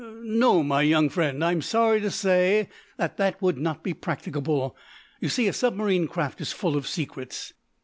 "No, my young friend, I am sorry to say that that would not be practicable. You see, a submarine craft is full of secrets.